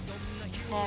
ねえ